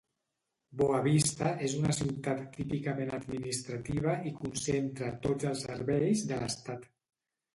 Boa Vista és una ciutat típicament administrativa i concentra tots els serveis de l'estat.